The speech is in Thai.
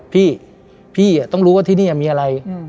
พี่พี่ต้องรู้ว่าที่นี่มีอะไร